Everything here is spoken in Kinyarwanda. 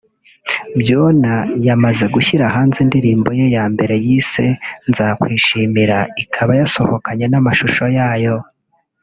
Byonna yamaze gushyira hanze indirimbo ye ya mbere yise 'Ndakwishimira' ikaba yasohokanye n'amashusho yayo